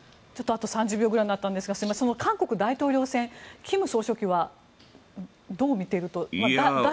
あと３０秒ぐらいになったんですが韓国大統領選、金総書記はどう見ていると。